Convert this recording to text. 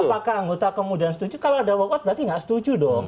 apakah anggota kemudian setuju kalau ada walk out berarti nggak setuju dong